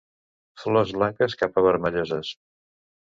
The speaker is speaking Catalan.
Flors blanques cap a vermelloses.